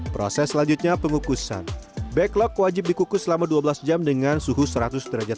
proses selanjutnya pengukusan backlog wajib dikukus selama dua belas jam dengan suhu seratus derajat